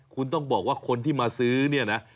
คุณต้องบอกว่าคนที่มาซื้อเนี่ยนะ